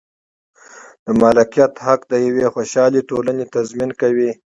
د مالکیت حق د یوې خوشحالې ټولنې تضمین کوي.